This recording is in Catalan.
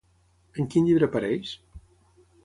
En quin llibre apareix?